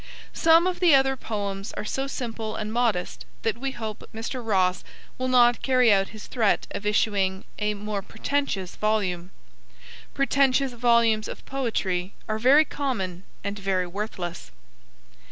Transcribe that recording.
Some of the other poems are so simple and modest that we hope Mr. Ross will not carry out his threat of issuing a 'more pretentious volume.' Pretentious volumes of poetry are very common and very worthless.